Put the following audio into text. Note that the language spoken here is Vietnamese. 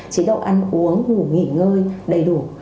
chế độ ăn uống ngủ nghỉ ngơi đầy đủ